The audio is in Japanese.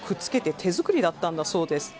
手作りだったんだそうです。